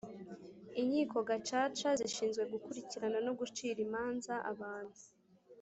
inkiko gacaca zishinzwe gukurikirana no gucira imanza abantu